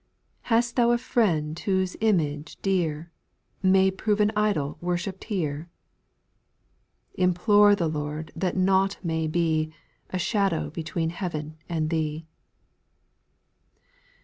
8. Hast thou a friend whose image dear, May prove an idol worshipped here ? Implore the Lord that nought may be, A shadow between heaven and thee.